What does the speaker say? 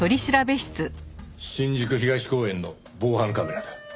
新宿東公園の防犯カメラだ。